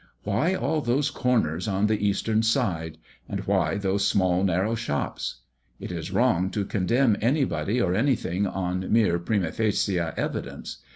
Why all those corners on the eastern side, and why those small narrow shops? It is wrong to condemn anybody or anything on mere primâ facie evidence.